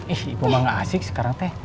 eh ibu mah gak asik sekarang teh